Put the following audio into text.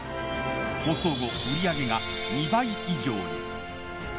放送後、売り上げが２倍以上に。